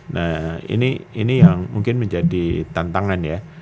nah ini yang mungkin menjadi tantangan ya